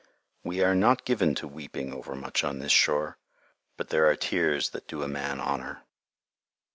We are not given to weeping overmuch on this shore, but there are tears that do a man honor.